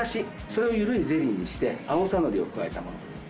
それを緩いゼリーにしてあおさのりを加えたものです。